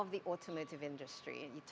dalam hal industri otomotif